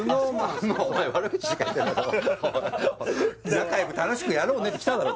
仲良く楽しくやろうねって来ただろ